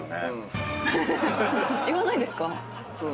言わないですか